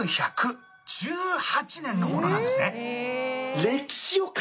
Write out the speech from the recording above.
１９１８年のものなんですね。